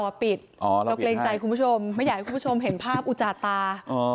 ปิดเราเกรงใจคุณผู้ชมไม่อยากให้คุณผู้ชมเห็นภาพอุจาตา